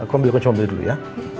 aku ambil kecombel dulu ya